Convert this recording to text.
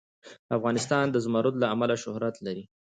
افغانستان د زمرد له امله شهرت لري.